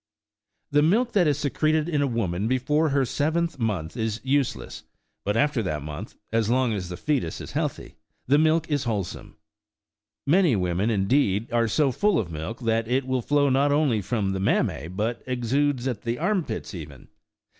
The milk that is secreted in a woman before her seventh month is useless ; but after that month, so long as the foetus is healthy, the milk is wholesome : many women, indeed, are so full of milk, that it will flow not only from the mammas, but exudes at the arm pits even.